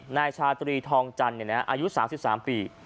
นายชาตรีทองจันทร์อายุ๓๓ปี